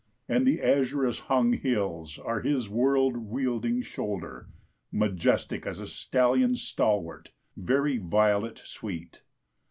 And the azurous hung hills are his world wielding shoulder Majestic as a stallion stalwart, very violet sweet!